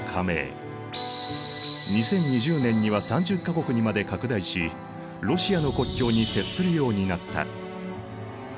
２０２０年には３０か国にまで拡大しロシアの国境に接するようになった。